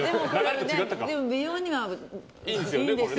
でも、美容にはいいですよ。